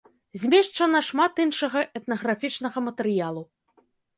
Змешчана шмат іншага этнаграфічнага матэрыялу.